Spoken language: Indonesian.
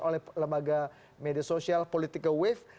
oleh lembaga media sosial political wave